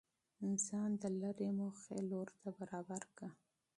ځان د ليري هدف لور ته برابر كه